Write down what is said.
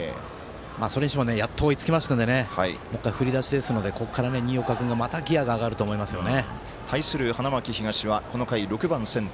それにしてもやっと追いつきましたのでもう１回、ふりだしですのでここから新岡君がまたギヤが上がると思いますね。